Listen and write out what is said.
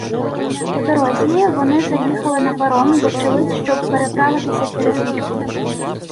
По дорозі вони заїхали на паром, вочевидь щоб переправитися через річку.